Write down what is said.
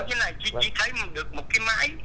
chỉ thấy được một cái máy